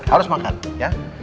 harus makan ya